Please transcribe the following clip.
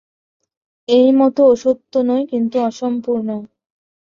এই মত অসত্য নয়, কিন্তু অসম্পূর্ণ।